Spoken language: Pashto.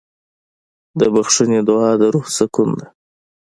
د بښنې دعا د روح سکون ده.